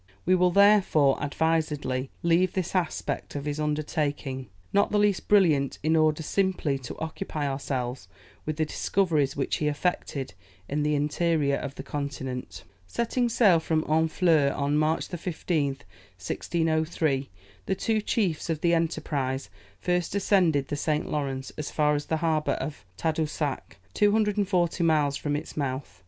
We will, therefore, advisedly leave this aspect of his undertaking, not the least brilliant, in order simply to occupy ourselves with the discoveries which he effected in the interior of the continent. Setting sail from Honfleur, on March 15th, 1603, the two chiefs of the enterprise first ascended the St. Lawrence, as far as the harbour of Tadoussac, 240 miles from its mouth.